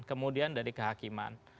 kemudian dari kehakiman